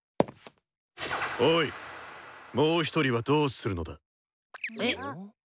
おい「もう１人」はどうするのだ？え？